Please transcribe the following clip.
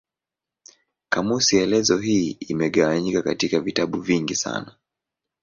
Kamusi elezo hii imegawanyika katika vitabu vingi sana.